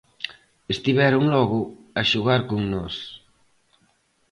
Estiveron, logo, a xogar con nós?